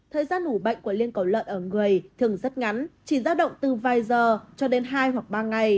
thời gian hủ bệnh của liên cổ lợn ở người thường rất ngắn chỉ ra động từ vài giờ cho đến hai hoặc ba ngày